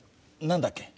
何だっけ？